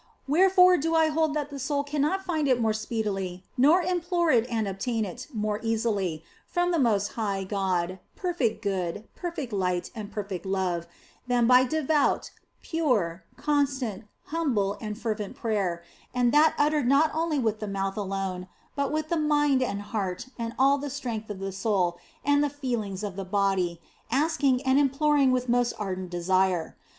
Wherefore do I hold that the soul cannot find it more speedily nor implore it and obtain it more easily from the most high God, perfect Good, perfect Light, and perfect Love, than by devout, pure, constant, humble, and fervent prayer, and that uttered not only with the mouth alone, but with the mind and heart and all the strength of the soul and the feelings of the body, asking and im ploring with most ardent desire.